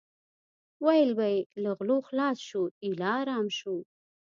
ویل به یې له غلو خلاص شو ایله ارام شو.